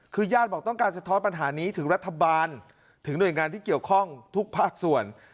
คือญาติบอกต้องการสะท้อนปัญหานี้ถึงรัฐบาลถึงหน่วยงานที่เกี่ยวข้องทุกภาคส่วน